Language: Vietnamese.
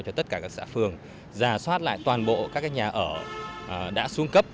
cho tất cả các xã phường giả soát lại toàn bộ các nhà ở đã xuống cấp